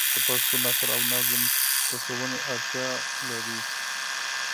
د پښتو نثر او نظم د ښوونې اړتیا لري.